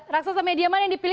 raksasa media mana yang dipilih